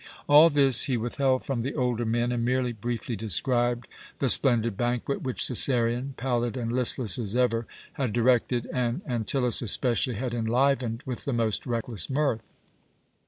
All this he withheld from the older men and merely briefly described the splendid banquet which Cæsarion, pallid and listless as ever, had directed, and Antyllus especially had enlivened with the most reckless mirth.